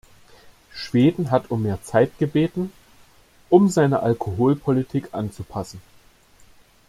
Schweden hat um mehr Zeit gebeten, um seine Alkoholpolitik anzupassen.